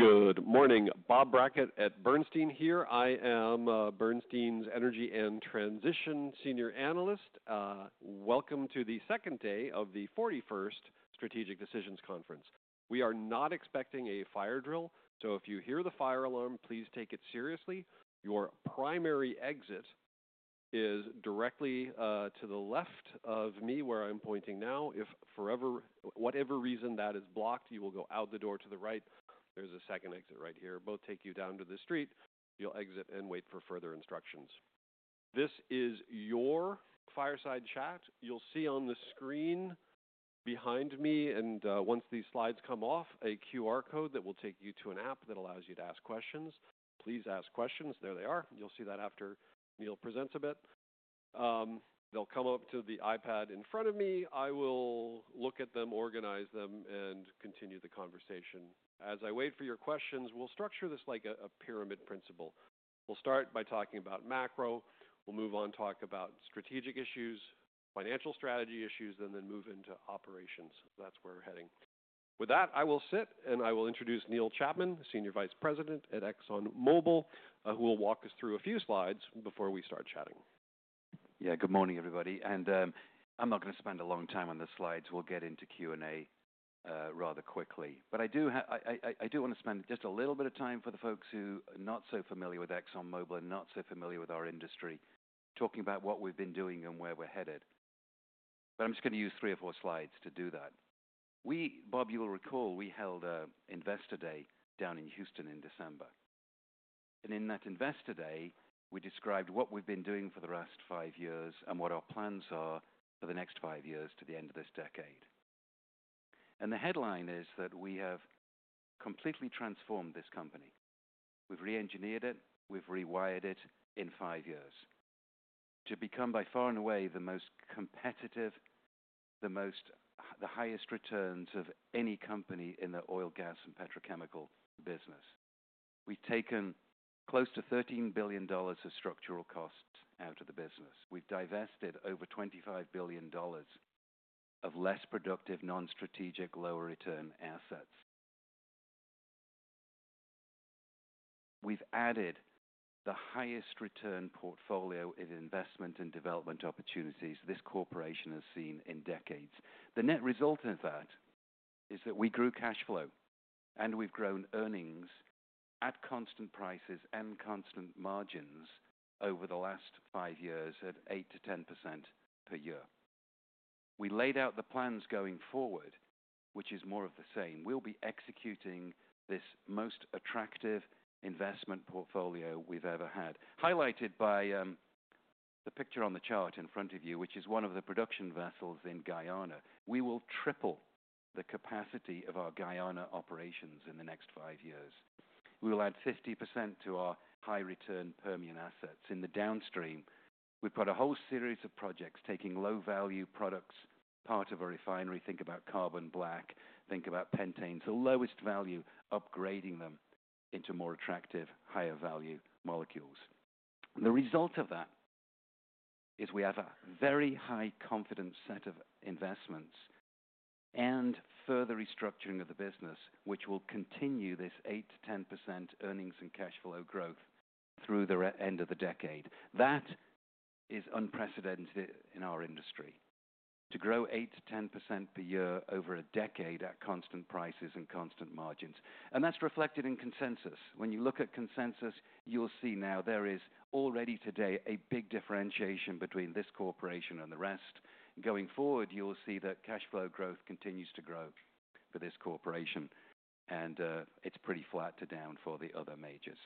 Good morning, Bob Brackett at Bernstein here. I am Bernstein's Energy and Transition Senior Analyst. Welcome to the second day of the 41st Strategic Decisions Conference. We are not expecting a fire drill, so if you hear the fire alarm, please take it seriously. Your primary exit is directly to the left of me where I'm pointing now. If for whatever reason that is blocked, you will go out the door to the right. There's a second exit right here. Both take you down to the street. You'll exit and wait for further instructions. This is your fireside chat. You'll see on the screen behind me, and once these slides come off, a QR code that will take you to an app that allows you to ask questions. Please ask questions. There they are. You'll see that after Neil presents a bit. They'll come up to the iPad in front of me. I will look at them, organize them, and continue the conversation. As I wait for your questions, we'll structure this like a pyramid principle. We'll start by talking about macro. We'll move on, talk about strategic issues, financial strategy issues, and then move into operations. That's where we're heading. With that, I will sit and I will introduce Neil Chapman, Senior Vice President at ExxonMobil, who will walk us through a few slides before we start chatting. Yeah, good morning, everybody. I'm not gonna spend a long time on the slides. We'll get into Q&A rather quickly. I do wanna spend just a little bit of time for the folks who are not so familiar with ExxonMobil and not so familiar with our industry, talking about what we've been doing and where we're headed. I'm just gonna use three or four slides to do that. Bob, you'll recall, we held an Investor Day down in Houston in December. In that Investor Day, we described what we've been doing for the last five years and what our plans are for the next five years to the end of this decade. The headline is that we have completely transformed this company. We've re-engineered it. We've rewired it in five years to become, by far and away, the most competitive, the most—the highest returns of any company in the oil, gas, and petrochemical business. We've taken close to $13 billion of structural costs out of the business. We've divested over $25 billion of less productive, non-strategic, lower-return assets. We've added the highest-return portfolio in investment and development opportunities this corporation has seen in decades. The net result of that is that we grew cash flow, and we've grown earnings at constant prices and constant margins over the last five years at 8-10% per year. We laid out the plans going forward, which is more of the same. We'll be executing this most attractive investment portfolio we've ever had, highlighted by the picture on the chart in front of you, which is one of the production vessels in Guyana. We will triple the capacity of our Guyana operations in the next five years. We will add 50% to our high-return Permian assets. In the downstream, we've got a whole series of projects taking low-value products, part of a refinery—think about carbon black, think about pentanes—the lowest value, upgrading them into more attractive, higher-value molecules. The result of that is we have a very high confidence set of investments and further restructuring of the business, which will continue this 8-10% earnings and cash flow growth through the end of the decade. That is unprecedented in our industry to grow 8-10% per year over a decade at constant prices and constant margins. That is reflected in consensus. When you look at consensus, you'll see now there is already today a big differentiation between this corporation and the rest. Going forward, you'll see that cash flow growth continues to grow for this corporation. It's pretty flat to down for the other majors.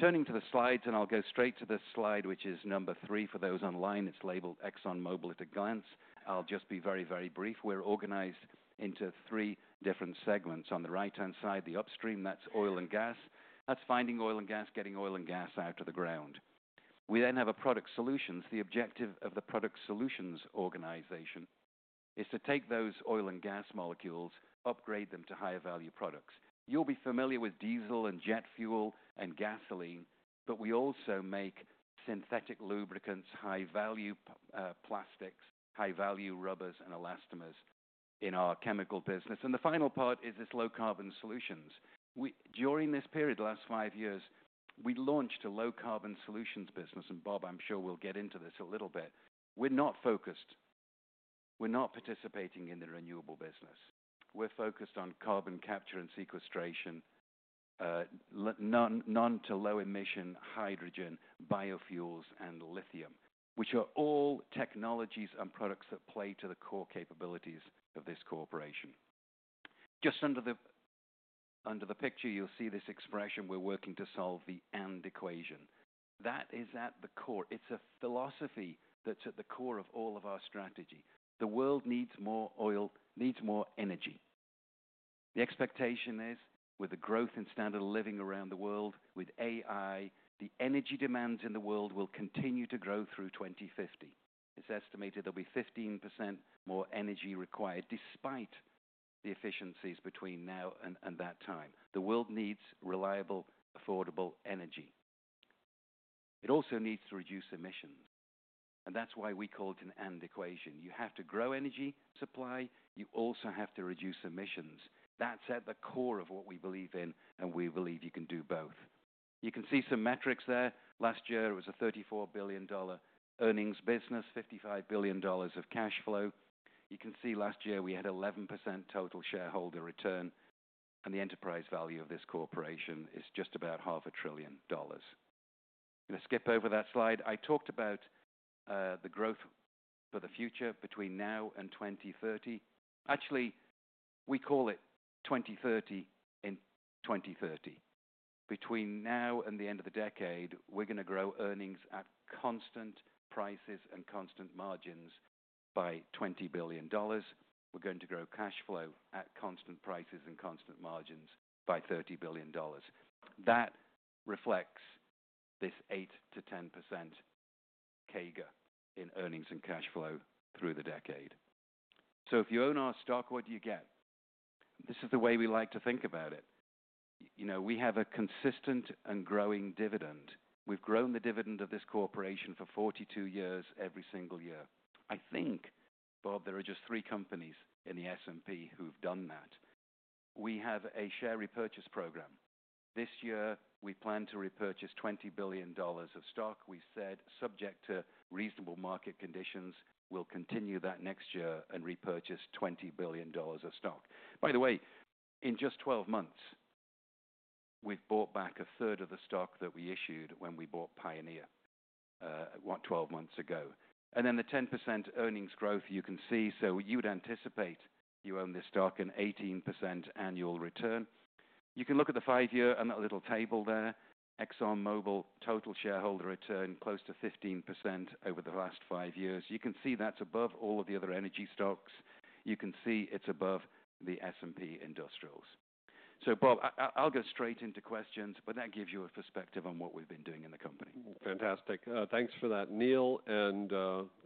Turning to the slides, I'll go straight to the slide, which is number three for those online. It's labeled ExxonMobil at a glance. I'll just be very, very brief. We're organized into three different segments. On the right-hand side, the upstream, that's oil and gas. That's finding oil and gas, getting oil and gas out of the ground. We then have product solutions. The objective of the product solutions organization is to take those oil and gas molecules, upgrade them to higher-value products. You'll be familiar with diesel and jet fuel and gasoline, but we also make synthetic lubricants, high-value plastics, high-value rubbers, and elastomers in our chemical business. The final part is this low-carbon solutions. During this period, the last five years, we launched a low-carbon solutions business. Bob, I'm sure we'll get into this a little bit. We're not focused—we're not participating in the renewable business. We're focused on carbon capture and sequestration, none to low-emission hydrogen, biofuels, and lithium, which are all technologies and products that play to the core capabilities of this corporation. Just under the picture, you'll see this expression, "We're working to solve the AND equation." That is at the core. It's a philosophy that's at the core of all of our strategy. The world needs more oil, needs more energy. The expectation is, with the growth in standard of living around the world, with AI, the energy demands in the world will continue to grow through 2050. It's estimated there'll be 15% more energy required despite the efficiencies between now and that time. The world needs reliable, affordable energy. It also needs to reduce emissions. That is why we call it an AND equation. You have to grow energy supply. You also have to reduce emissions. That is at the core of what we believe in, and we believe you can do both. You can see some metrics there. Last year, it was a $34 billion earnings business, $55 billion of cash flow. You can see last year we had 11% total shareholder return, and the enterprise value of this corporation is just about half a trillion dollars. Gonna skip over that slide. I talked about the growth for the future between now and 2030. Actually, we call it 2030 in 2030. Between now and the end of the decade, we are gonna grow earnings at constant prices and constant margins by $20 billion. We're going to grow cash flow at constant prices and constant margins by $30 billion. That reflects this 8-10% CAGR in earnings and cash flow through the decade. If you own our stock, what do you get? This is the way we like to think about it. You know, we have a consistent and growing dividend. We've grown the dividend of this corporation for 42 years every single year. I think, Bob, there are just three companies in the S&P who've done that. We have a share repurchase program. This year, we plan to repurchase $20 billion of stock. We said, subject to reasonable market conditions, we'll continue that next year and repurchase $20 billion of stock. By the way, in just 12 months, we've bought back a third of the stock that we issued when we bought Pioneer, what, 12 months ago. The 10% earnings growth you can see. You'd anticipate you own this stock an 18% annual return. You can look at the five-year and that little table there. ExxonMobil total shareholder return close to 15% over the last five years. You can see that's above all of the other energy stocks. You can see it's above the S&P industrials. Bob, I'll go straight into questions, but that gives you a perspective on what we've been doing in the company. Fantastic. Thanks for that. Neil and,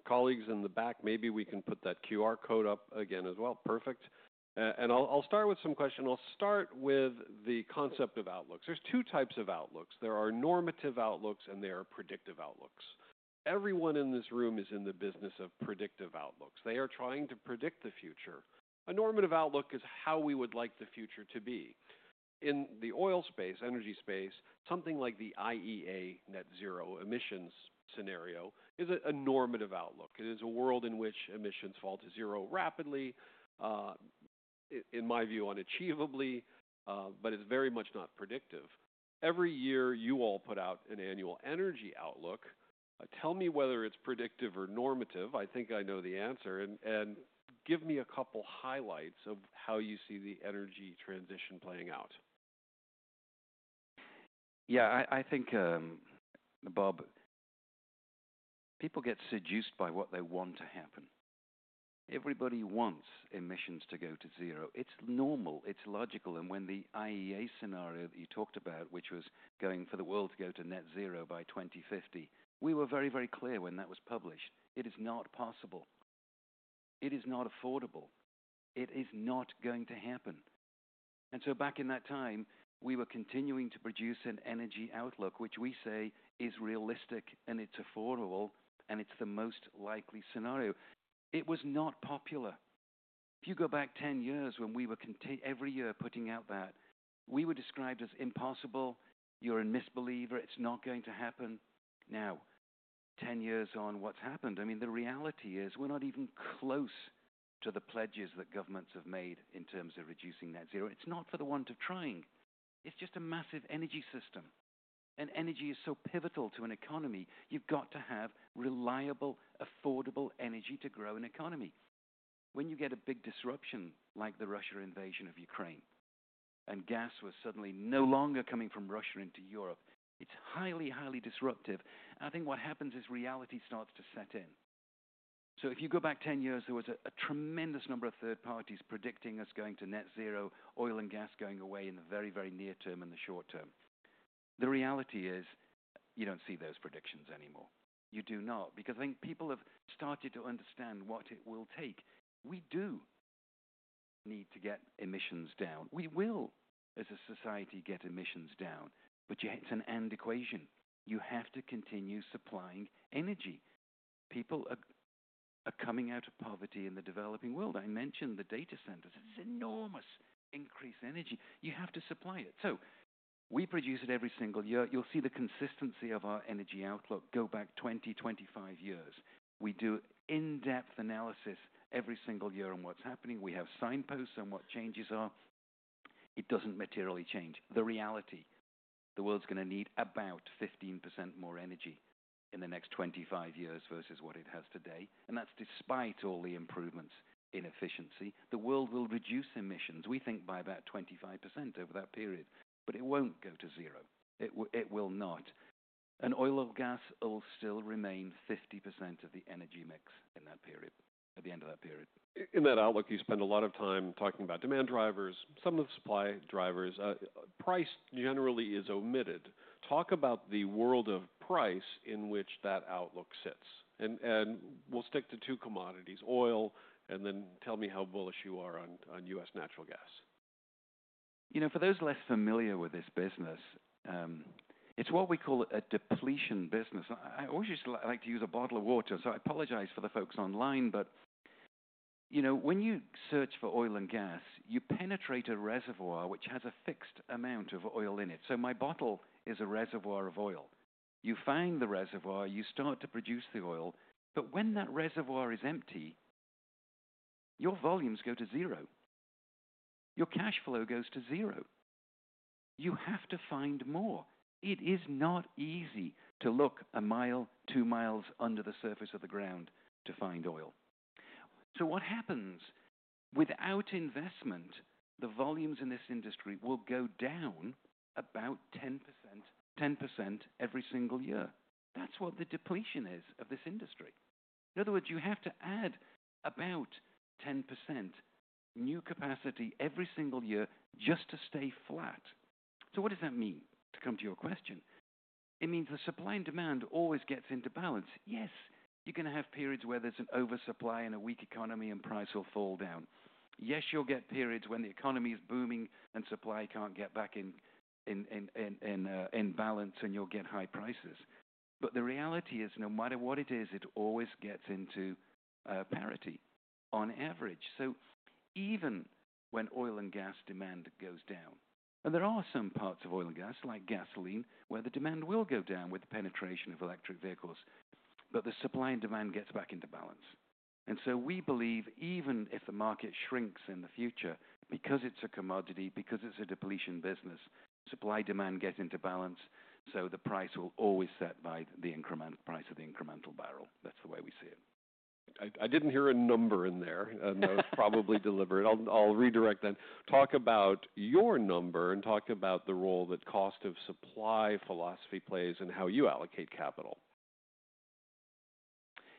colleagues in the back, maybe we can put that QR code up again as well. Perfect. I'll start with some questions. I'll start with the concept of outlooks. There's two types of outlooks. There are normative outlooks, and there are predictive outlooks. Everyone in this room is in the business of predictive outlooks. They are trying to predict the future. A normative outlook is how we would like the future to be. In the oil space, energy space, something like the IEA net zero emissions scenario is a normative outlook. It is a world in which emissions fall to zero rapidly, in my view, unachievably, but it's very much not predictive. Every year, you all put out an annual energy outlook. Tell me whether it's predictive or normative. I think I know the answer. Give me a couple highlights of how you see the energy transition playing out. Yeah, I think, Bob, people get seduced by what they want to happen. Everybody wants emissions to go to zero. It's normal. It's logical. When the IEA scenario that you talked about, which was going for the world to go to net zero by 2050, we were very, very clear when that was published. It is not possible. It is not affordable. It is not going to happen. Back in that time, we were continuing to produce an energy outlook which we say is realistic, and it's affordable, and it's the most likely scenario. It was not popular. If you go back 10 years when we were every year putting out that, we were described as impossible. You're a misbeliever. It's not going to happen. Now, 10 years on, what's happened? I mean, the reality is we're not even close to the pledges that governments have made in terms of reducing net zero. It's not for the want of trying. It's just a massive energy system. And energy is so pivotal to an economy. You've got to have reliable, affordable energy to grow an economy. When you get a big disruption like the Russia invasion of Ukraine and gas was suddenly no longer coming from Russia into Europe, it's highly, highly disruptive. I think what happens is reality starts to set in. If you go back 10 years, there was a tremendous number of third parties predicting us going to net zero, oil and gas going away in the very, very near term and the short term. The reality is you don't see those predictions anymore. You do not because I think people have started to understand what it will take. We do need to get emissions down. We will, as a society, get emissions down, yet it's an AND equation. You have to continue supplying energy. People are coming out of poverty in the developing world. I mentioned the data centers. It's enormous increased energy. You have to supply it. We produce it every single year. You'll see the consistency of our energy outlook go back 20, 25 years. We do in-depth analysis every single year on what's happening. We have signposts on what changes are. It doesn't materially change. The reality: the world's gonna need about 15% more energy in the next 25 years versus what it has today. That's despite all the improvements in efficiency. The world will reduce emissions, we think, by about 25% over that period, but it will not go to zero. It will not. Oil or gas will still remain 50% of the energy mix in that period, at the end of that period. In that outlook, you spend a lot of time talking about demand drivers, some of the supply drivers. Price generally is omitted. Talk about the world of price in which that outlook sits. We'll stick to two commodities: oil, and then tell me how bullish you are on U.S. natural gas. You know, for those less familiar with this business, it's what we call a depletion business. I always just like to use a bottle of water, so I apologize for the folks online, but, you know, when you search for oil and gas, you penetrate a reservoir which has a fixed amount of oil in it. So my bottle is a reservoir of oil. You find the reservoir, you start to produce the oil, but when that reservoir is empty, your volumes go to zero. Your cash flow goes to zero. You have to find more. It is not easy to look a mile, two miles under the surface of the ground to find oil. What happens? Without investment, the volumes in this industry will go down about 10%, 10% every single year. That's what the depletion is of this industry. In other words, you have to add about 10% new capacity every single year just to stay flat. What does that mean, to come to your question? It means the supply and demand always gets into balance. Yes, you're gonna have periods where there's an oversupply in a weak economy and price will fall down. Yes, you'll get periods when the economy is booming and supply can't get back in balance, and you'll get high prices. The reality is, no matter what it is, it always gets into parity on average. Even when oil and gas demand goes down, and there are some parts of oil and gas like gasoline where the demand will go down with the penetration of electric vehicles, the supply and demand gets back into balance. We believe even if the market shrinks in the future, because it's a commodity, because it's a depletion business, supply demand gets into balance, so the price will always be set by the price of the incremental barrel. That's the way we see it. I didn't hear a number in there, and that was probably deliberate. I'll redirect then. Talk about your number and talk about the role that cost of supply philosophy plays and how you allocate capital.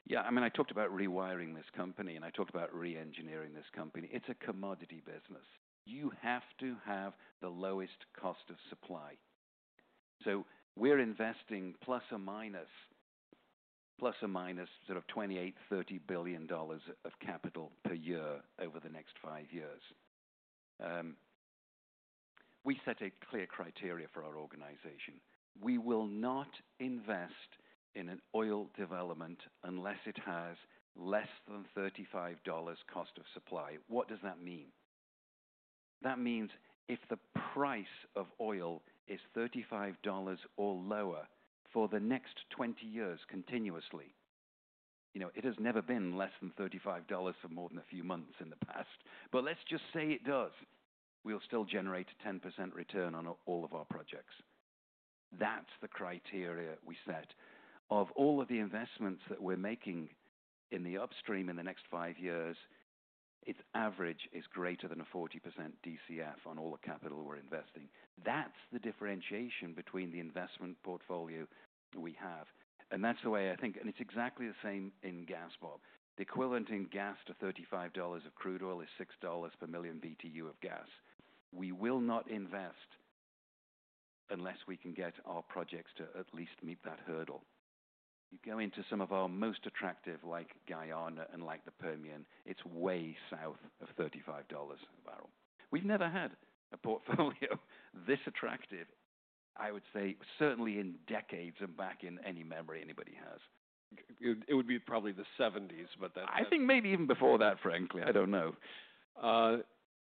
Yeah, I mean, I talked about rewiring this company, and I talked about re-engineering this company. It's a commodity business. You have to have the lowest cost of supply. So we're investing plus or minus $28 billion-$30 billion of capital per year over the next five years. We set a clear criteria for our organization. We will not invest in an oil development unless it has less than $35 cost of supply. What does that mean? That means if the price of oil is $35 or lower for the next 20 years continuously, you know, it has never been less than $35 for more than a few months in the past, but let's just say it does, we'll still generate a 10% return on all of our projects. That's the criteria we set. Of all of the investments that we're making in the upstream in the next five years, its average is greater than a 40% DCF on all the capital we're investing. That is the differentiation between the investment portfolio we have. That is the way I think, and it's exactly the same in gas, Bob. The equivalent in gas to $35 of crude oil is $6 per million BTU of gas. We will not invest unless we can get our projects to at least meet that hurdle. You go into some of our most attractive, like Guyana and like the Permian, it's way south of $35 a barrel. We've never had a portfolio this attractive, I would say, certainly in decades and back in any memory anybody has. It would be probably the 1970s, but that's. I think maybe even before that, frankly. I don't know.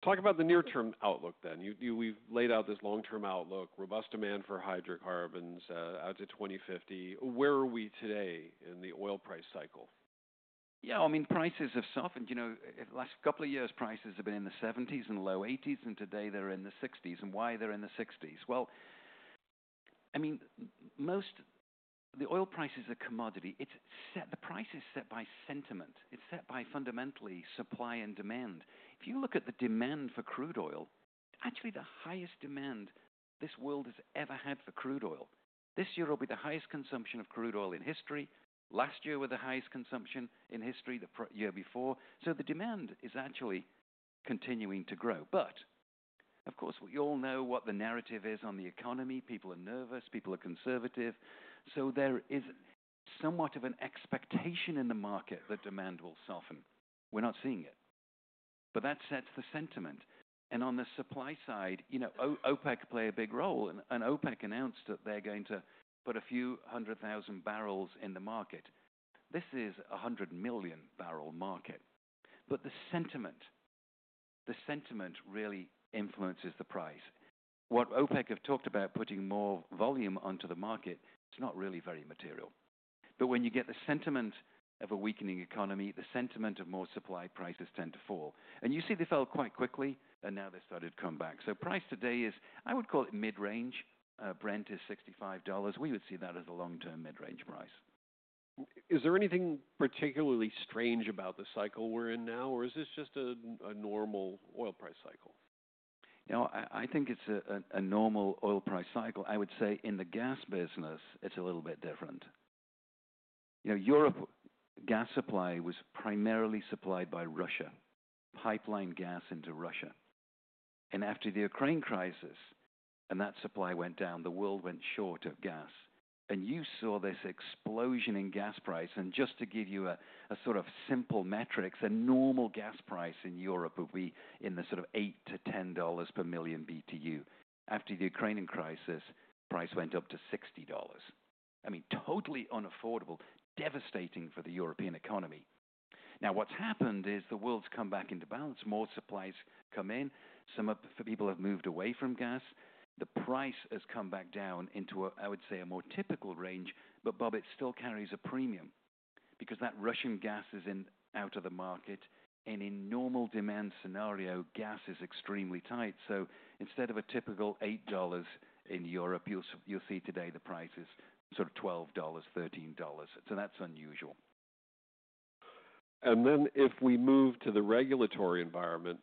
Talk about the near-term outlook then. You, you, we've laid out this long-term outlook: robust demand for hydrocarbons, out to 2050. Where are we today in the oil price cycle? Yeah, I mean, prices have softened. You know, the last couple of years, prices have been in the $70s and low $80s, and today they're in the $60s. Why they're in the $60s? I mean, most the oil price is a commodity. It's set, the price is set by sentiment. It's set by fundamentally supply and demand. If you look at the demand for crude oil, actually the highest demand this world has ever had for crude oil. This year will be the highest consumption of crude oil in history. Last year was the highest consumption in history, the year before. The demand is actually continuing to grow. Of course, we all know what the narrative is on the economy. People are nervous. People are conservative. There is somewhat of an expectation in the market that demand will soften. We're not seeing it, but that sets the sentiment. On the supply side, you know, OPEC play a big role, and OPEC announced that they're going to put a few hundred thousand barrels in the market. This is a 100 million barrel market. The sentiment, the sentiment really influences the price. What OPEC have talked about putting more volume onto the market, it's not really very material. When you get the sentiment of a weakening economy, the sentiment of more supply, prices tend to fall. You see they fell quite quickly, and now they started to come back. Price today is, I would call it mid-range. Brent is $65. We would see that as a long-term mid-range price. Is there anything particularly strange about the cycle we're in now, or is this just a, a normal oil price cycle? No, I think it's a normal oil price cycle. I would say in the gas business, it's a little bit different. You know, Europe gas supply was primarily supplied by Russia, pipeline gas into Russia. After the Ukraine crisis, and that supply went down, the world went short of gas. You saw this explosion in gas price. Just to give you a sort of simple metric, the normal gas price in Europe would be in the sort of $8-$10 per million BTU. After the Ukrainian crisis, the price went up to $60. I mean, totally unaffordable, devastating for the European economy. Now, what's happened is the world's come back into balance. More supplies come in. Some of the people have moved away from gas. The price has come back down into a, I would say, a more typical range, but Bob, it still carries a premium because that Russian gas is in out of the market. In normal demand scenario, gas is extremely tight. Instead of a typical $8 in Europe, you'll see today the price is sort of $12-$13. That's unusual. If we move to the regulatory environment,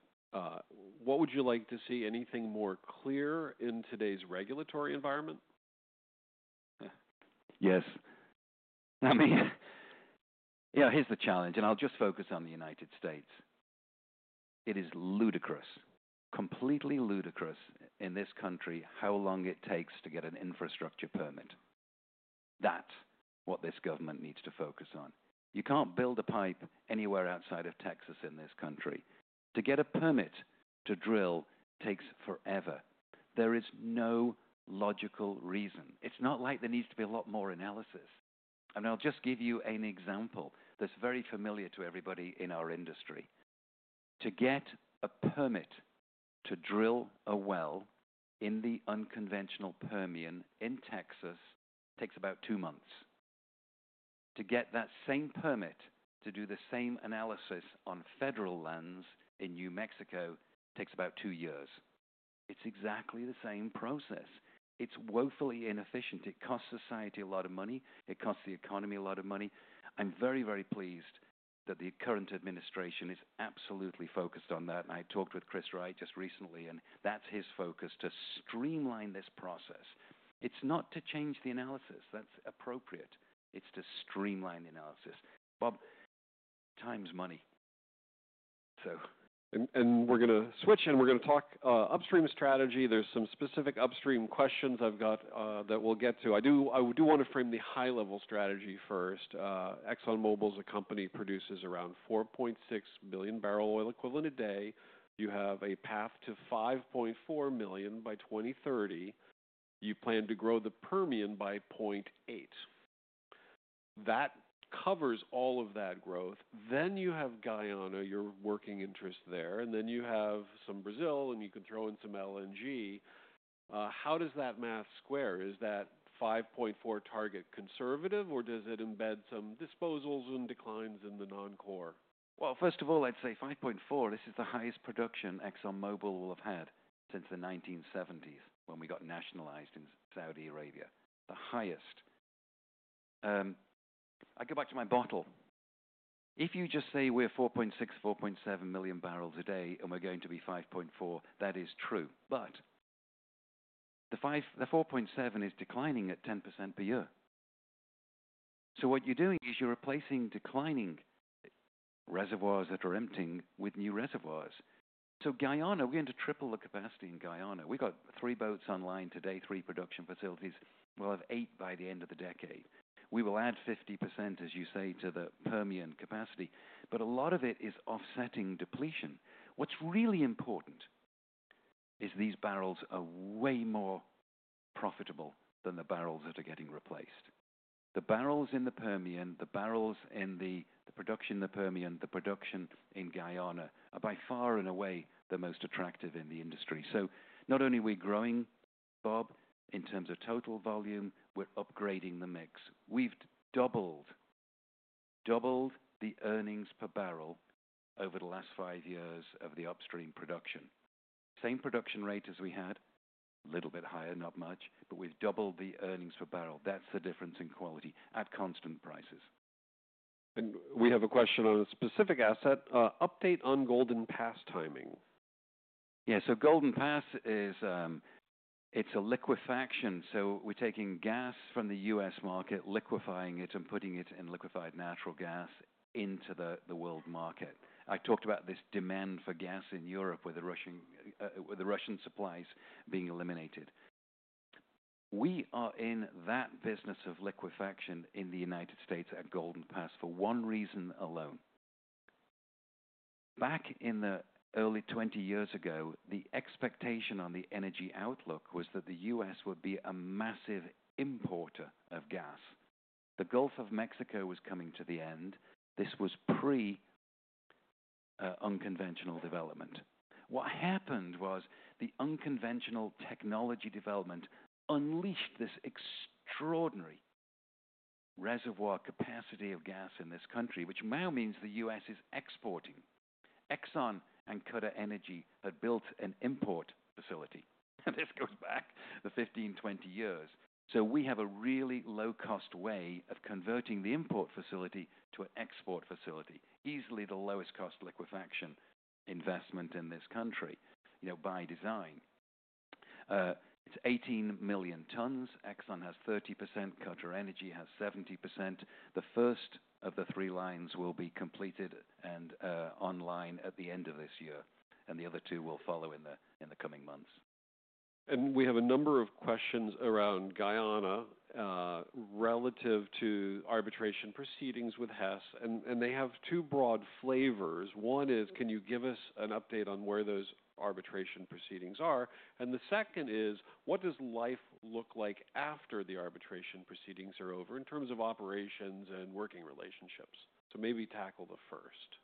what would you like to see? Anything more clear in today's regulatory environment? Yes. I mean, yeah, here's the challenge, and I'll just focus on the United States. It is ludicrous, completely ludicrous in this country how long it takes to get an infrastructure permit. That's what this government needs to focus on. You can't build a pipe anywhere outside of Texas in this country. To get a permit to drill takes forever. There is no logical reason. It's not like there needs to be a lot more analysis. I'll just give you an example that's very familiar to everybody in our industry. To get a permit to drill a well in the unconventional Permian in Texas takes about two months. To get that same permit to do the same analysis on federal lands in New Mexico takes about two years. It's exactly the same process. It's woefully inefficient. It costs society a lot of money. It costs the economy a lot of money. I'm very, very pleased that the current administration is absolutely focused on that. I talked with Chris Wright just recently, and that's his focus to streamline this process. It's not to change the analysis. That's appropriate. It's to streamline the analysis. Bob, time's money. We're gonna switch and we're gonna talk upstream strategy. There's some specific upstream questions I've got that we'll get to. I do wanna frame the high-level strategy first. ExxonMobil is a company that produces around 4.6 million barrel oil equivalent a day. You have a path to 5.4 million by 2030. You plan to grow the Permian by 0.8. That covers all of that growth. You have Guyana, your working interest there, and then you have some Brazil, and you can throw in some LNG. How does that math square? Is that 5.4 target conservative, or does it embed some disposals and declines in the non-core? First of all, I'd say 5.4, this is the highest production ExxonMobil will have had since the 1970s when we got nationalized in Saudi Arabia. The highest. I go back to my bottle. If you just say we're 4.6, 4.7 million barrels a day and we're going to be 5.4, that is true. The 4.7 is declining at 10% per year. What you're doing is you're replacing declining reservoirs that are emptying with new reservoirs. Guyana, we're going to triple the capacity in Guyana. We've got three boats online today, three production facilities. We'll have eight by the end of the decade. We will add 50%, as you say, to the Permian capacity. A lot of it is offsetting depletion. What's really important is these barrels are way more profitable than the barrels that are getting replaced. The barrels in the Permian, the barrels in the production in the Permian, the production in Guyana are by far and away the most attractive in the industry. Not only are we growing, Bob, in terms of total volume, we're upgrading the mix. We've doubled, doubled the earnings per barrel over the last five years of the upstream production. Same production rate as we had, a little bit higher, not much, but we've doubled the earnings per barrel. That's the difference in quality at constant prices. We have a question on a specific asset, update on Golden Pass timing. Yeah, Golden Pass is, it's a liquefaction. We are taking gas from the U.S. market, liquefying it, and putting liquefied natural gas into the world market. I talked about this demand for gas in Europe with the Russian supplies being eliminated. We are in that business of liquefaction in the United States at Golden Pass for one reason alone. Back in the early 20 years ago, the expectation on the energy outlook was that the U.S. would be a massive importer of gas. The Gulf of Mexico was coming to the end. This was pre-unconventional development. What happened was the unconventional technology development unleashed this extraordinary reservoir capacity of gas in this country, which now means the U.S. is exporting. ExxonMobil and QatarEnergy had built an import facility. This goes back the 15, 20 years. We have a really low-cost way of converting the import facility to an export facility. Easily the lowest cost liquefaction investment in this country, you know, by design. It's 18 million tons. ExxonMobil has 30%. QatarEnergy has 70%. The first of the three lines will be completed and online at the end of this year. The other two will follow in the coming months. We have a number of questions around Guyana, relative to arbitration proceedings with Hess. They have two broad flavors. One is, can you give us an update on where those arbitration proceedings are? The second is, what does life look like after the arbitration proceedings are over in terms of operations and working relationships? Maybe tackle the first.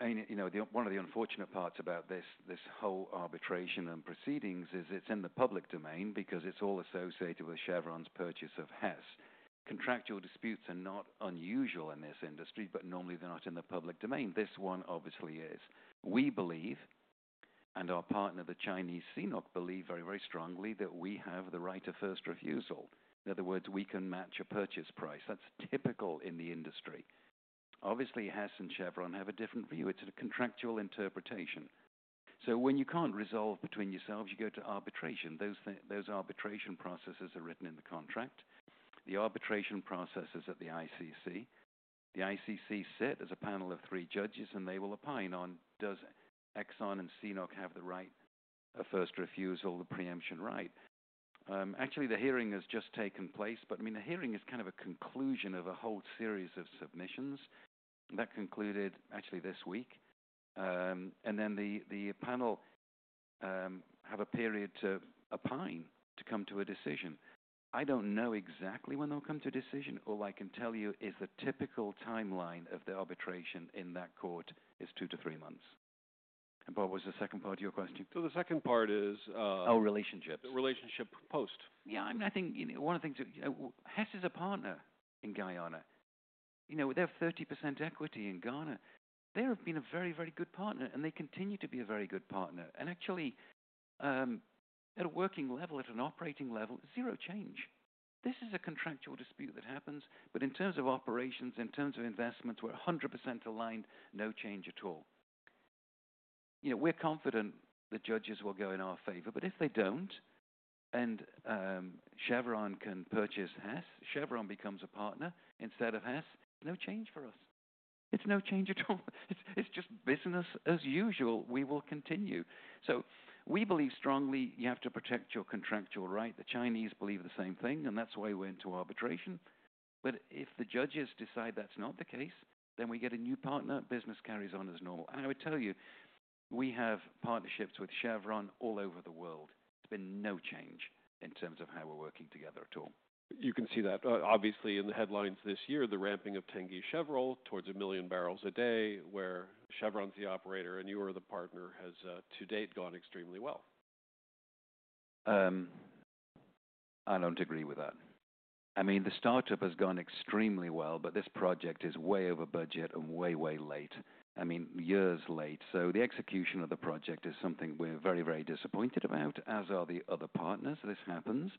I mean, you know, one of the unfortunate parts about this whole arbitration and proceedings is it's in the public domain because it's all associated with Chevron's purchase of Hess. Contractual disputes are not unusual in this industry, but normally they're not in the public domain. This one obviously is. We believe, and our partner, the Chinese CNOOC, believe very, very strongly that we have the right of first refusal. In other words, we can match a purchase price. That's typical in the industry. Obviously, Hess and Chevron have a different view. It's a contractual interpretation. When you can't resolve between yourselves, you go to arbitration. Those arbitration processes are written in the contract. The arbitration process is at the ICC. The ICC sits as a panel of three judges, and they will opine on does ExxonMobil and CNOOC have the right of first refusal, the preemption right. Actually, the hearing has just taken place, but I mean, the hearing is kind of a conclusion of a whole series of submissions that concluded actually this week. And then the panel have a period to opine to come to a decision. I don't know exactly when they'll come to a decision. All I can tell you is the typical timeline of the arbitration in that court is two to three months. And Bob, what was the second part of your question? The second part is, Our relationship. The relationship post. Yeah. I mean, I think, you know, one of the things, Hess is a partner in Guyana. You know, they have 30% equity in Guyana. They have been a very, very good partner, and they continue to be a very good partner. Actually, at a working level, at an operating level, zero change. This is a contractual dispute that happens, but in terms of operations, in terms of investments, we're 100% aligned, no change at all. You know, we're confident the judges will go in our favor, but if they don't and Chevron can purchase Hess, Chevron becomes a partner instead of Hess, it's no change for us. It's no change at all. It's just business as usual. We will continue. We believe strongly you have to protect your contractual right. The Chinese believe the same thing, and that's why we're into arbitration. If the judges decide that's not the case, then we get a new partner. Business carries on as normal. I would tell you, we have partnerships with Chevron all over the world. There's been no change in terms of how we're working together at all. You can see that, obviously in the headlines this year, the ramping of Tengiz Chevron towards a million barrels a day where Chevron's the operator and you are the partner has, to date, gone extremely well. I don't agree with that. I mean, the startup has gone extremely well, but this project is way over budget and way, way late. I mean, years late. The execution of the project is something we're very, very disappointed about, as are the other partners. This happens.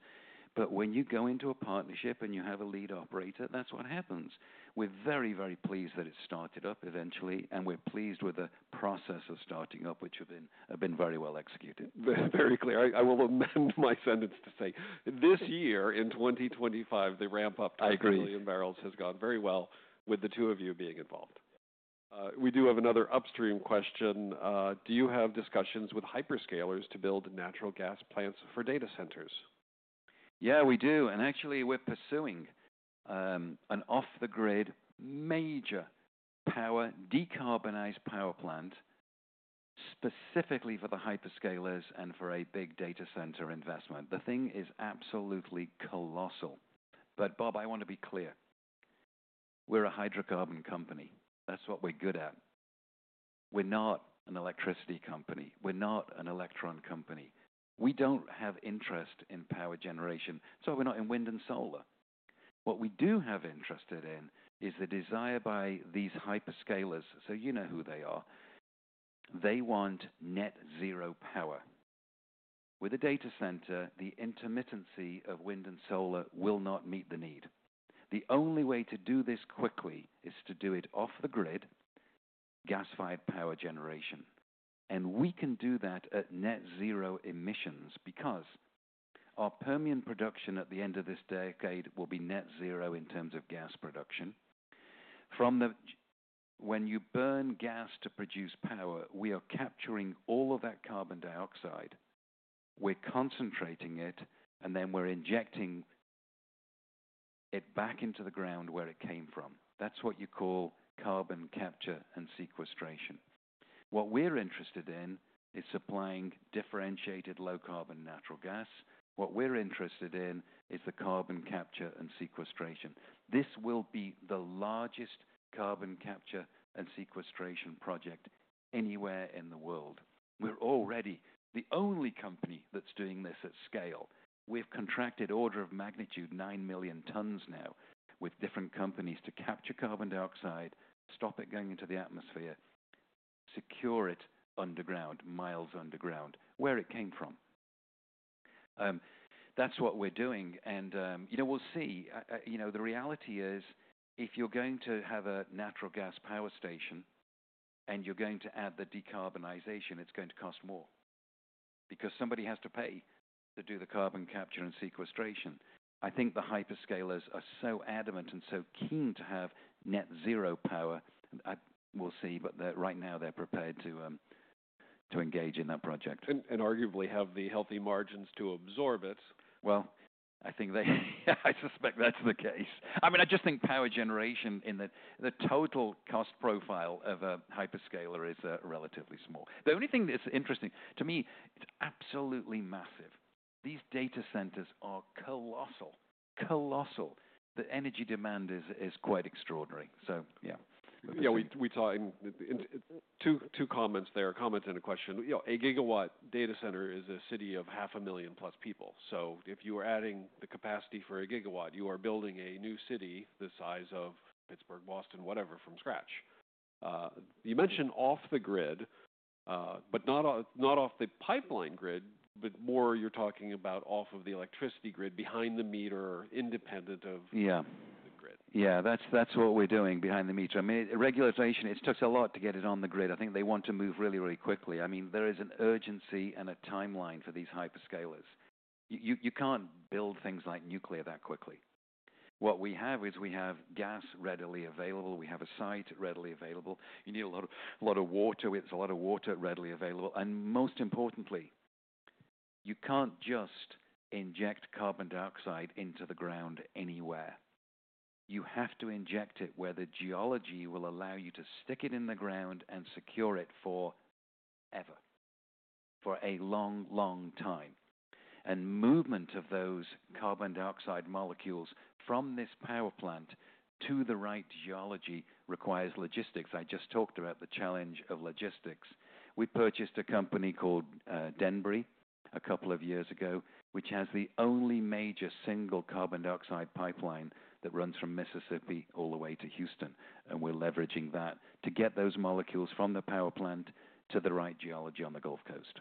When you go into a partnership and you have a lead operator, that's what happens. We're very, very pleased that it started up eventually, and we're pleased with the process of starting up, which have been, have been very well executed. Very clear. I will amend my sentence to say this year in 2025, the ramp-up to a million barrels has gone very well with the two of you being involved. We do have another upstream question. Do you have discussions with hyperscalers to build natural gas plants for data centers? Yeah, we do. Actually, we're pursuing an off-the-grid major power decarbonized power plant specifically for the hyperscalers and for a big data center investment. The thing is absolutely colossal. Bob, I want to be clear. We're a hydrocarbon company. That's what we're good at. We're not an electricity company. We're not an electron company. We do not have interest in power generation. We're not in wind and solar. What we do have interest in is the desire by these hyperscalers. You know who they are. They want net zero power. With a data center, the intermittency of wind and solar will not meet the need. The only way to do this quickly is to do it off the grid, gas-fired power generation. We can do that at net zero emissions because our Permian production at the end of this decade will be net zero in terms of gas production. When you burn gas to produce power, we are capturing all of that carbon dioxide. We're concentrating it, and then we're injecting it back into the ground where it came from. That's what you call carbon capture and sequestration. What we're interested in is supplying differentiated low-carbon natural gas. What we're interested in is the carbon capture and sequestration. This will be the largest carbon capture and sequestration project anywhere in the world. We're already the only company that's doing this at scale. We've contracted order of magnitude nine million tons now with different companies to capture carbon dioxide, stop it going into the atmosphere, secure it underground, miles underground, where it came from. That's what we're doing. You know, we'll see. You know, the reality is if you're going to have a natural gas power station and you're going to add the decarbonization, it's going to cost more because somebody has to pay to do the carbon capture and sequestration. I think the hyperscalers are so adamant and so keen to have net zero power. I will see, but right now they're prepared to engage in that project. Arguably have the healthy margins to absorb it. I think they, I suspect that's the case. I mean, I just think power generation in the, the total cost profile of a hyperscaler is relatively small. The only thing that's interesting to me, it's absolutely massive. These data centers are colossal, colossal. The energy demand is quite extraordinary. So yeah. Yeah, we talked in two, two comments there, a comment and a question. You know, a gigawatt data center is a city of 500,000 plus people. So if you are adding the capacity for a gigawatt, you are building a new city the size of Pittsburgh, Boston, whatever, from scratch. You mentioned off the grid, but not, not off the pipeline grid, but more you're talking about off of the electricity grid behind the meter, independent of. Yeah. The grid. Yeah. That's what we're doing behind the meter. I mean, regulation, it took a lot to get it on the grid. I think they want to move really, really quickly. I mean, there is an urgency and a timeline for these hyperscalers. You can't build things like nuclear that quickly. What we have is we have gas readily available. We have a site readily available. You need a lot of water, with a lot of water readily available. Most importantly, you can't just inject carbon dioxide into the ground anywhere. You have to inject it where the geology will allow you to stick it in the ground and secure it forever, for a long, long time. Movement of those carbon dioxide molecules from this power plant to the right geology requires logistics. I just talked about the challenge of logistics. We purchased a company called Denbury a couple of years ago, which has the only major single carbon dioxide pipeline that runs from Mississippi all the way to Houston. We are leveraging that to get those molecules from the power plant to the right geology on the Gulf Coast.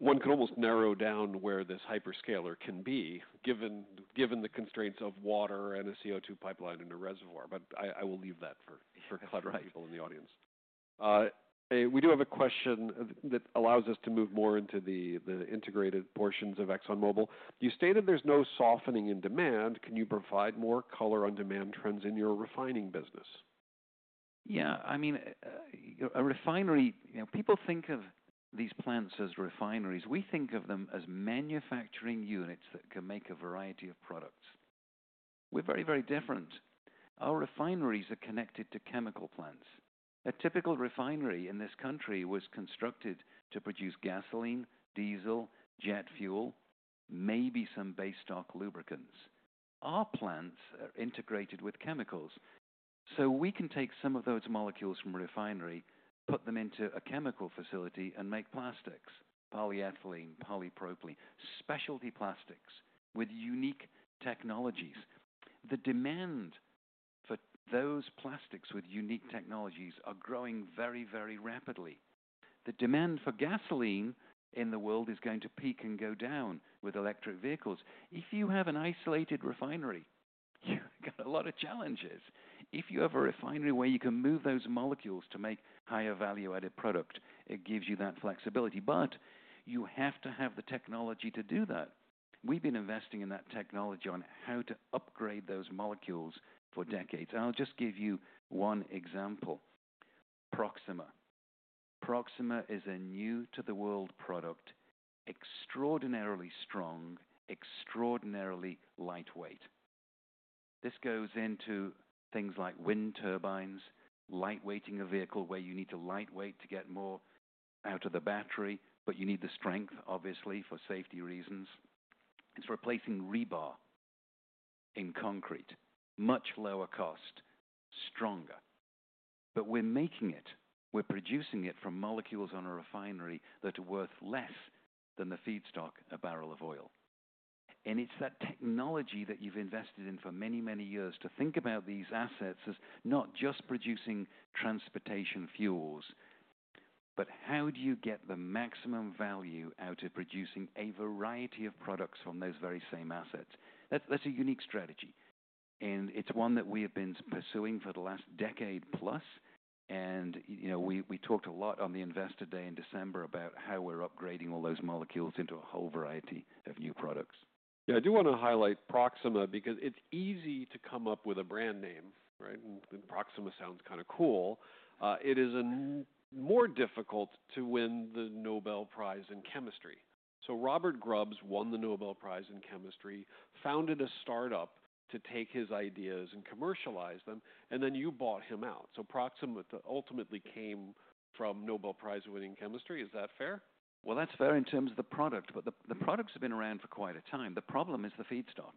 One could almost narrow down where this hyperscaler can be given, given the constraints of water and a CO2 pipeline and a reservoir. I will leave that for clever people in the audience. We do have a question that allows us to move more into the integrated portions of ExxonMobil. You stated there's no softening in demand. Can you provide more color on demand trends in your refining business? Yeah. I mean, a refinery, you know, people think of these plants as refineries. We think of them as manufacturing units that can make a variety of products. We're very, very different. Our refineries are connected to chemical plants. A typical refinery in this country was constructed to produce gasoline, diesel, jet fuel, maybe some base stock lubricants. Our plants are integrated with chemicals. So we can take some of those molecules from a refinery, put them into a chemical facility, and make plastics, polyethylene, polypropylene, specialty plastics with unique technologies. The demand for those plastics with unique technologies are growing very, very rapidly. The demand for gasoline in the world is going to peak and go down with electric vehicles. If you have an isolated refinery, you've got a lot of challenges. If you have a refinery where you can move those molecules to make higher value-added product, it gives you that flexibility. You have to have the technology to do that. We've been investing in that technology on how to upgrade those molecules for decades. I'll just give you one example. Proxima. Proxima is a new-to-the-world product, extraordinarily strong, extraordinarily lightweight. This goes into things like wind turbines, lightweighting a vehicle where you need to lightweight to get more out of the battery, but you need the strength, obviously, for safety reasons. It's replacing rebar in concrete, much lower cost, stronger. We're making it. We're producing it from molecules on a refinery that are worth less than the feedstock, a barrel of oil. It is that technology that you have invested in for many, many years to think about these assets as not just producing transportation fuels, but how do you get the maximum value out of producing a variety of products from those very same assets? That is a unique strategy. It is one that we have been pursuing for the last decade plus. You know, we talked a lot on the investor day in December about how we are upgrading all those molecules into a whole variety of new products. Yeah. I do wanna highlight Proxima because it's easy to come up with a brand name, right? And Proxima sounds kind of cool. It is more difficult to win the Nobel Prize in Chemistry. So Robert Grubbs won the Nobel Prize in Chemistry, founded a startup to take his ideas and commercialize them, and then you bought him out. So Proxima ultimately came from Nobel Prize-winning Chemistry. Is that fair? That's fair in terms of the product, but the products have been around for quite a time. The problem is the feedstock.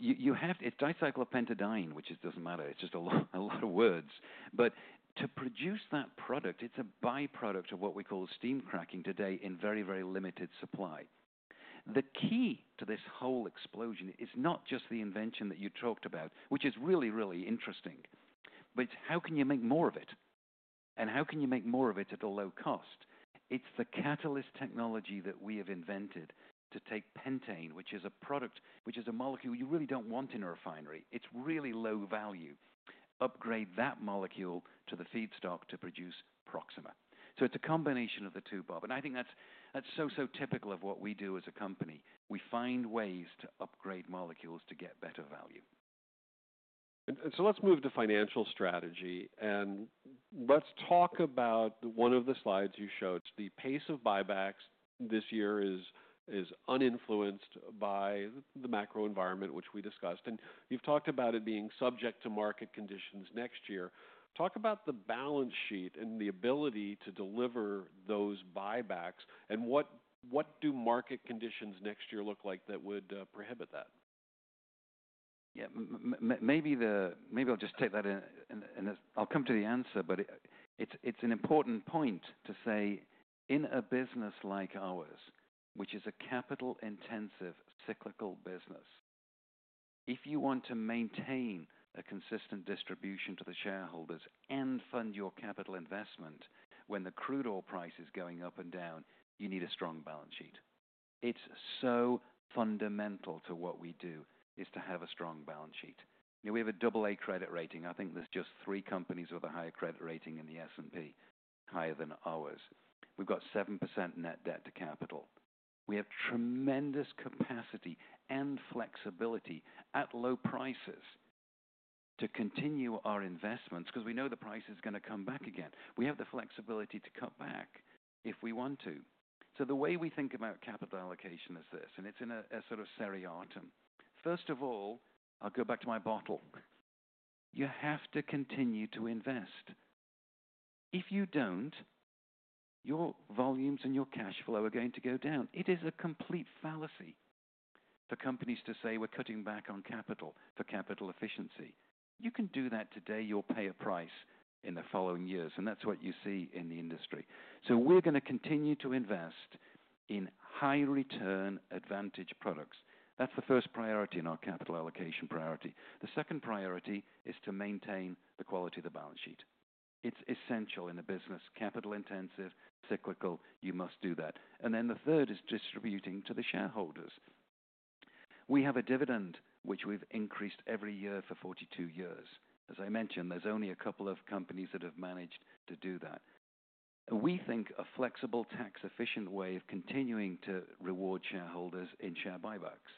You have to, it's dicyclopentadiene, which does not matter. It's just a lot, a lot of words. To produce that product, it's a byproduct of what we call steam cracking today in very, very limited supply. The key to this whole explosion is not just the invention that you talked about, which is really, really interesting, but how can you make more of it? How can you make more of it at a low cost? It's the catalyst technology that we have invented to take pentane, which is a product, which is a molecule you really do not want in a refinery. It's really low value. Upgrade that molecule to the feedstock to produce Proxima. It's a combination of the two, Bob. I think that's, that's so, so typical of what we do as a company. We find ways to upgrade molecules to get better value. Let's move to financial strategy. Let's talk about one of the slides you showed. The pace of buybacks this year is uninfluenced by the macro environment, which we discussed. You've talked about it being subject to market conditions next year. Talk about the balance sheet and the ability to deliver those buybacks. What do market conditions next year look like that would prohibit that? Maybe I'll just take that in this. I'll come to the answer, but it's an important point to say in a business like ours, which is a capital-intensive cyclical business, if you want to maintain a consistent distribution to the shareholders and fund your capital investment when the crude oil price is going up and down, you need a strong balance sheet. It's so fundamental to what we do is to have a strong balance sheet. You know, we have a double-A credit rating. I think there's just three companies with a higher credit rating in the S&P, higher than ours. We've got 7% net debt to capital. We have tremendous capacity and flexibility at low prices to continue our investments 'cause we know the price is gonna come back again. We have the flexibility to cut back if we want to. The way we think about capital allocation is this, and it's in a sort of seriatum. First of all, I'll go back to my bottle. You have to continue to invest. If you don't, your volumes and your cash flow are going to go down. It is a complete fallacy for companies to say we're cutting back on capital for capital efficiency. You can do that today. You'll pay a price in the following years. That's what you see in the industry. We're gonna continue to invest in high-return advantage products. That's the first priority in our capital allocation priority. The second priority is to maintain the quality of the balance sheet. It's essential in a business. Capital-intensive, cyclical, you must do that. The third is distributing to the shareholders. We have a dividend, which we've increased every year for 42 years. As I mentioned, there's only a couple of companies that have managed to do that. We think a flexible, tax-efficient way of continuing to reward shareholders is share buybacks.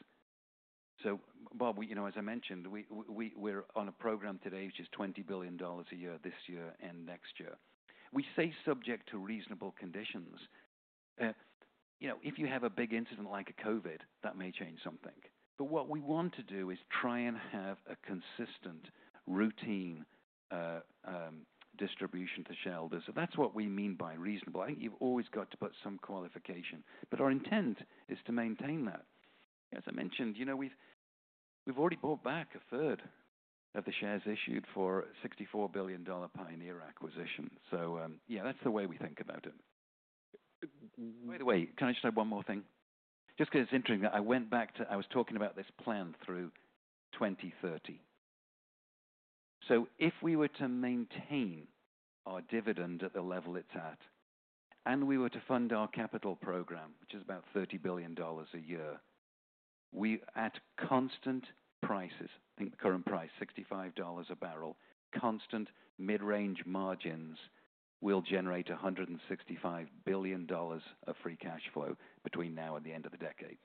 Bob, you know, as I mentioned, we are on a program today which is $20 billion a year this year and next year. We say subject to reasonable conditions. You know, if you have a big incident like COVID, that may change something. What we want to do is try and have a consistent routine distribution to shareholders. That is what we mean by reasonable. I think you've always got to put some qualification, but our intent is to maintain that. As I mentioned, you know, we've already bought back a third of the shares issued for a $64 billion Pioneer acquisition. Yeah, that's the way we think about it. By the way, can I just add one more thing? Just 'cause it's interesting that I went back to, I was talking about this plan through 2030. If we were to maintain our dividend at the level it's at and we were to fund our capital program, which is about $30 billion a year, we at constant prices, I think the current price, $65 a barrel, constant mid-range margins will generate $165 billion of free cash flow between now and the end of the decade.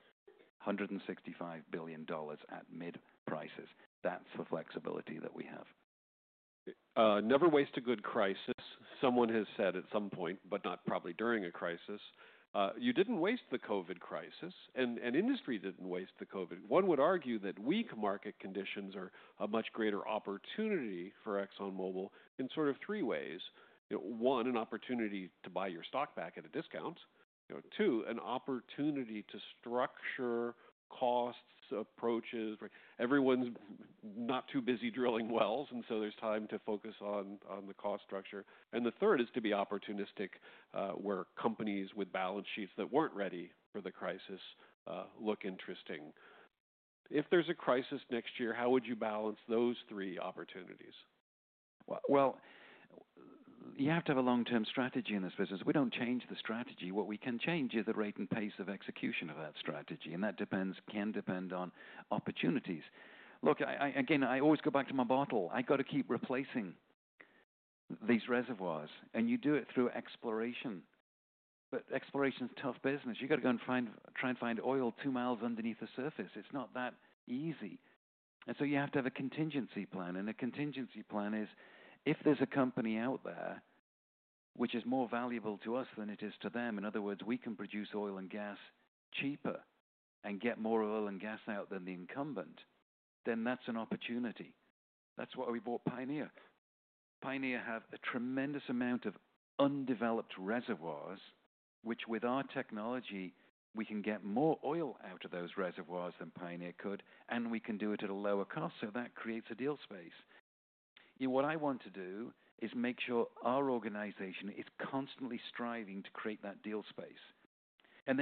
$165 billion at mid-prices. That's the flexibility that we have. Never waste a good crisis, someone has said at some point, but not probably during a crisis. You didn't waste the COVID crisis, and industry didn't waste the COVID. One would argue that weak market conditions are a much greater opportunity for ExxonMobil in sort of three ways. You know, one, an opportunity to buy your stock back at a discount. You know, two, an opportunity to structure costs, approaches. Everyone's not too busy drilling wells, and so there's time to focus on the cost structure. And the third is to be opportunistic, where companies with balance sheets that weren't ready for the crisis look interesting. If there's a crisis next year, how would you balance those three opportunities? You have to have a long-term strategy in this business. We do not change the strategy. What we can change is the rate and pace of execution of that strategy. That depends, can depend on opportunities. Look, I always go back to my bottle. I gotta keep replacing these reservoirs. You do it through exploration. Exploration is a tough business. You gotta go and try and find oil two miles underneath the surface. It is not that easy. You have to have a contingency plan. A contingency plan is if there is a company out there which is more valuable to us than it is to them, in other words, we can produce oil and gas cheaper and get more oil and gas out than the incumbent, then that is an opportunity. That is why we bought Pioneer. Pioneer have a tremendous amount of undeveloped reservoirs, which with our technology, we can get more oil out of those reservoirs than Pioneer could. We can do it at a lower cost. That creates a deal space. You know, what I want to do is make sure our organization is constantly striving to create that deal space.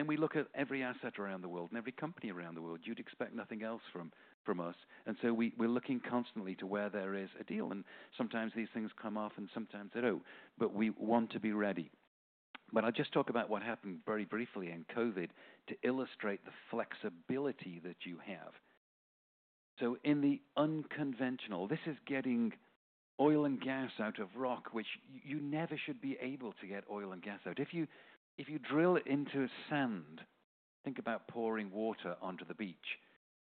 We look at every asset around the world and every company around the world. You'd expect nothing else from us. We are looking constantly to where there is a deal. Sometimes these things come off and sometimes they don't. We want to be ready. I'll just talk about what happened very briefly in COVID to illustrate the flexibility that you have. In the unconventional, this is getting oil and gas out of rock, which you never should be able to get oil and gas out. If you drill into sand, think about pouring water onto the beach.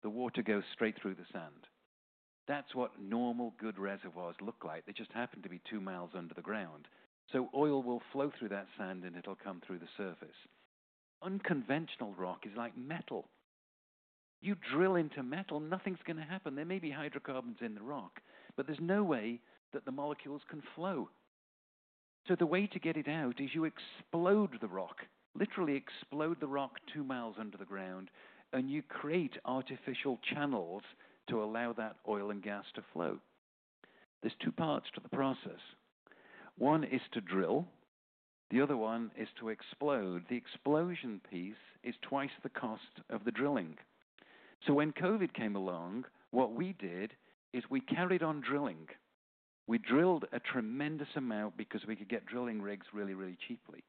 The water goes straight through the sand. That is what normal good reservoirs look like. They just happen to be two miles under the ground. Oil will flow through that sand and it will come through the surface. Unconventional rock is like metal. You drill into metal, nothing is going to happen. There may be hydrocarbons in the rock, but there is no way that the molecules can flow. The way to get it out is you explode the rock, literally explode the rock two miles under the ground, and you create artificial channels to allow that oil and gas to flow. There are two parts to the process. One is to drill. The other one is to explode. The explosion piece is twice the cost of the drilling. When COVID came along, what we did is we carried on drilling. We drilled a tremendous amount because we could get drilling rigs really, really cheaply.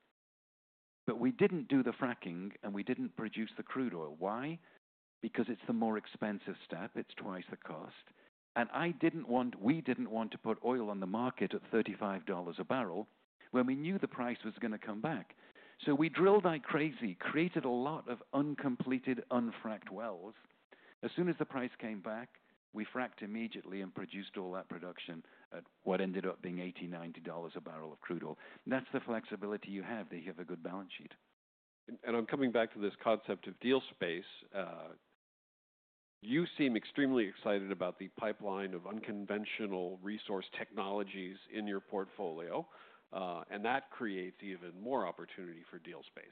We did not do the fracking and we did not produce the crude oil. Why? Because it is the more expensive step. It is twice the cost. I did not want, we did not want to put oil on the market at $35 a barrel when we knew the price was going to come back. We drilled like crazy, created a lot of uncompleted, unfracked wells. As soon as the price came back, we fracked immediately and produced all that production at what ended up being $80-$90 a barrel of crude oil. That is the flexibility you have when you have a good balance sheet. I'm coming back to this concept of deal space. You seem extremely excited about the pipeline of unconventional resource technologies in your portfolio, and that creates even more opportunity for deal space.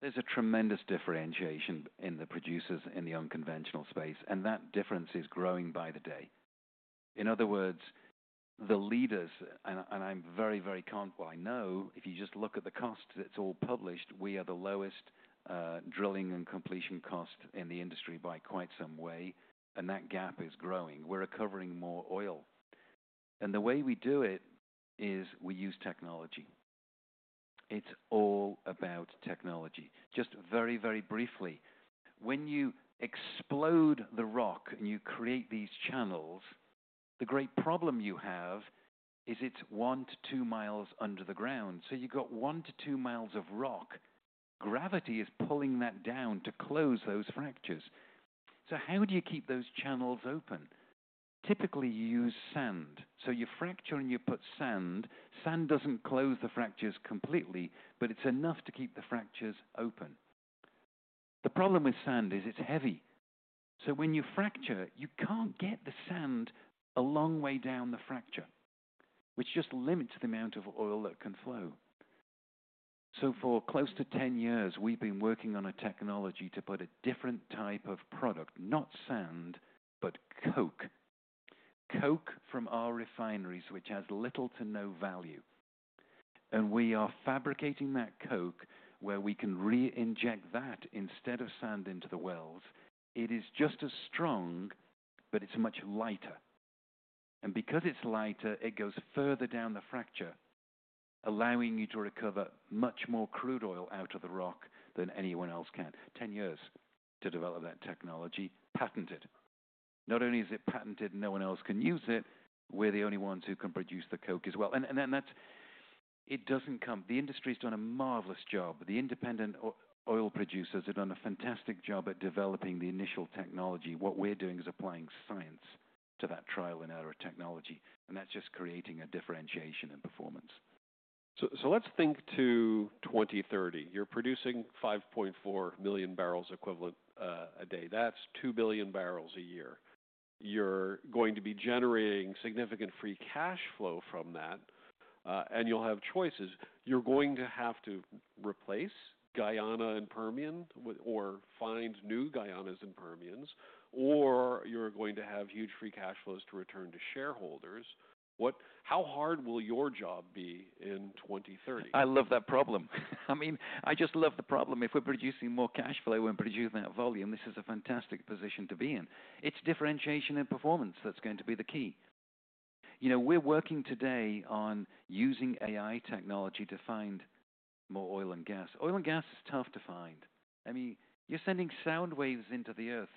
There's a tremendous differentiation in the producers in the unconventional space, and that difference is growing by the day. In other words, the leaders, and I'm very, very confident, well, I know if you just look at the costs, it's all published. We are the lowest drilling and completion cost in the industry by quite some way. That gap is growing. We're recovering more oil. The way we do it is we use technology. It's all about technology. Just very, very briefly, when you explode the rock and you create these channels, the great problem you have is it's one to two miles under the ground. You have one to two miles of rock. Gravity is pulling that down to close those fractures. How do you keep those channels open? Typically, you use sand. You fracture and you put sand. Sand does not close the fractures completely, but it is enough to keep the fractures open. The problem with sand is it is heavy. When you fracture, you cannot get the sand a long way down the fracture, which just limits the amount of oil that can flow. For close to 10 years, we have been working on a technology to put a different type of product, not sand, but coke. Coke from our refineries, which has little to no value. We are fabricating that coke where we can re-inject that instead of sand into the wells. It is just as strong, but it is much lighter. Because it is lighter, it goes further down the fracture, allowing you to recover much more crude oil out of the rock than anyone else can. Ten years to develop that technology, patented. Not only is it patented, no one else can use it. We're the only ones who can produce the coke as well. The industry's done a marvelous job. The independent oil producers have done a fantastic job at developing the initial technology. What we're doing is applying science to that trial and error technology. That's just creating a differentiation in performance. Let's think to 2030. You're producing 5.4 million barrels equivalent a day. That's 2 billion barrels a year. You're going to be generating significant free cash flow from that, and you'll have choices. You're going to have to replace Guyana and Permian with, or find new Guyanas and Permians, or you're going to have huge free cash flows to return to shareholders. What, how hard will your job be in 2030? I love that problem. I mean, I just love the problem. If we're producing more cash flow, we're producing that volume. This is a fantastic position to be in. It's differentiation and performance that's going to be the key. You know, we're working today on using AI technology to find more oil and gas. Oil and gas is tough to find. I mean, you're sending sound waves into the earth.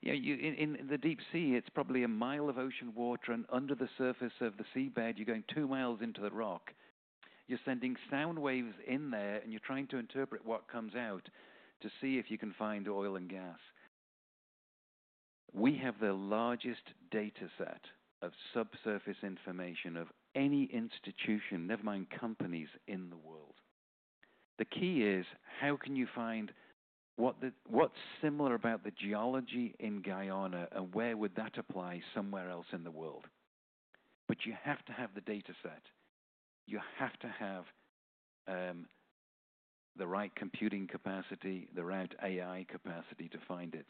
You know, in the deep sea, it's probably a mile of ocean water. And under the surface of the seabed, you're going two miles into the rock. You're sending sound waves in there, and you're trying to interpret what comes out to see if you can find oil and gas. We have the largest dataset of subsurface information of any institution, never mind companies in the world. The key is how can you find what the, what's similar about the geology in Guyana and where would that apply somewhere else in the world? You have to have the dataset. You have to have the right computing capacity, the right AI capacity to find it.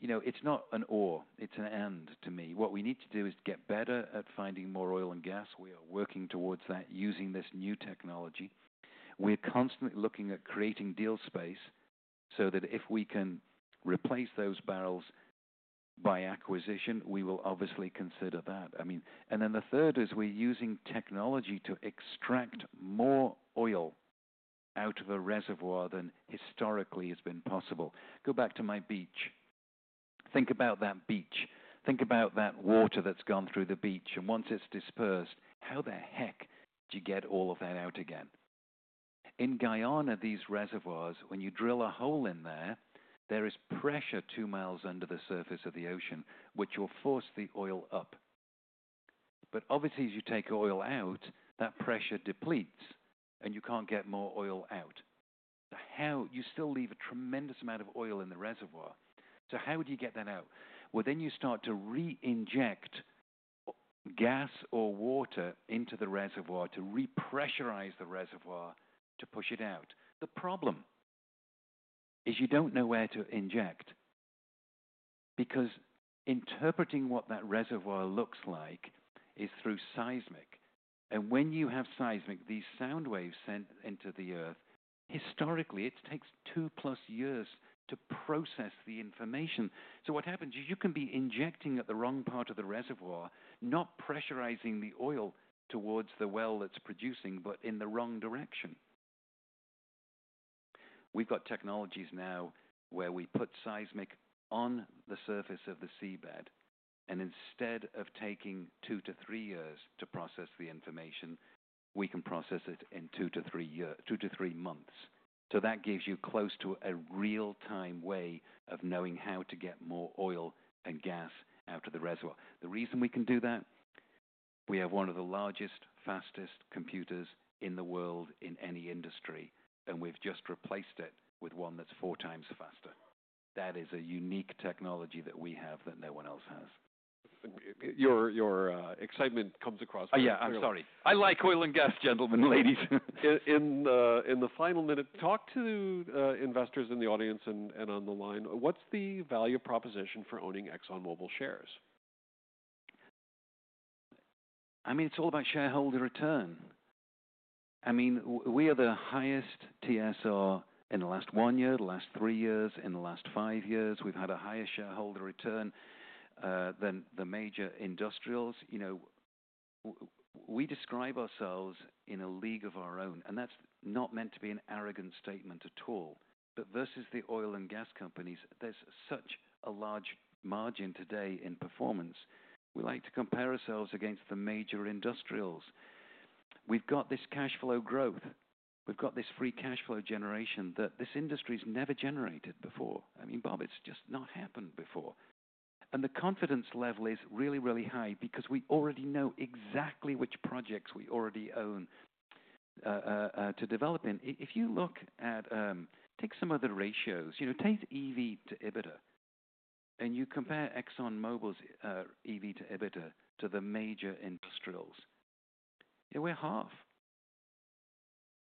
You know, it's not an awe, it's an end to me. What we need to do is get better at finding more oil and gas. We are working towards that using this new technology. We're constantly looking at creating deal space so that if we can replace those barrels by acquisition, we will obviously consider that. I mean, and then the third is we're using technology to extract more oil out of a reservoir than historically has been possible. Go back to my beach. Think about that beach. Think about that water that's gone through the beach. Once it's dispersed, how the heck do you get all of that out again? In Guyana, these reservoirs, when you drill a hole in there, there is pressure two miles under the surface of the ocean, which will force the oil up. Obviously, as you take oil out, that pressure depletes and you can't get more oil out. You still leave a tremendous amount of oil in the reservoir. How do you get that out? You start to re-inject gas or water into the reservoir to re-pressurize the reservoir to push it out. The problem is you don't know where to inject because interpreting what that reservoir looks like is through seismic. When you have seismic, these sound waves send into the earth, historically, it takes two plus years to process the information. What happens is you can be injecting at the wrong part of the reservoir, not pressurizing the oil towards the well that's producing, but in the wrong direction. We've got technologies now where we put seismic on the surface of the seabed. Instead of taking two to three years to process the information, we can process it in two to three months. That gives you close to a real-time way of knowing how to get more oil and gas out of the reservoir. The reason we can do that, we have one of the largest, fastest computers in the world in any industry. We've just replaced it with one that's four times faster. That is a unique technology that we have that no one else has. Your excitement comes across very clearly. Oh, yeah, I'm sorry. I like oil and gas, gentlemen, ladies. In the final minute, talk to investors in the audience and on the line. What's the value proposition for owning ExxonMobil shares? I mean, it's all about shareholder return. I mean, we are the highest TSR in the last one year, the last three years, in the last five years. We've had a higher shareholder return than the major industrials. You know, we describe ourselves in a league of our own. That's not meant to be an arrogant statement at all. Versus the oil and gas companies, there's such a large margin today in performance. We like to compare ourselves against the major industrials. We've got this cash flow growth. We've got this free cash flow generation that this industry's never generated before. I mean, Bob, it's just not happened before. The confidence level is really, really high because we already know exactly which projects we already own to develop in. If you look at, take some other ratios, you know, take EV to EBITDA and you compare ExxonMobil's EV to EBITDA to the major industrials, you know, we're half.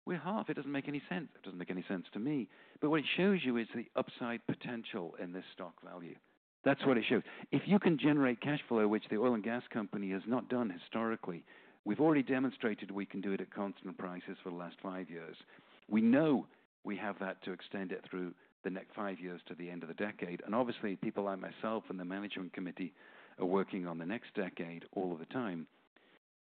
We're half. It doesn't make any sense. It doesn't make any sense to me. What it shows you is the upside potential in this stock value. That's what it shows. If you can generate cash flow, which the oil and gas company has not done historically, we've already demonstrated we can do it at constant prices for the last five years. We know we have that to extend it through the next five years to the end of the decade. Obviously, people like myself and the management committee are working on the next decade all of the time.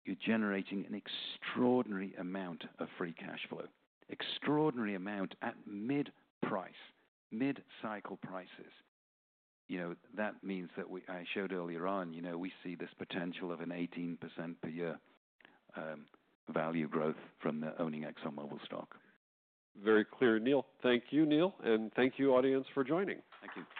You're generating an extraordinary amount of free cash flow, extraordinary amount at mid-cycle prices. You know, that means that we, I showed earlier on, you know, we see this potential of an 18% per year, value growth from the owning ExxonMobil stock. Very clear, Neil. Thank you, Neil. Thank you, audience, for joining. Thank you.